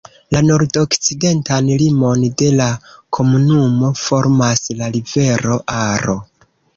La nordokcidentan limon de la komunumo formas la rivero Aro.